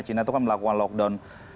cina itu kan melakukan lockdown